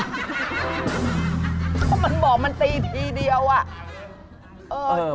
เพราะมันบอกมันตีทีเดียวอ่ะ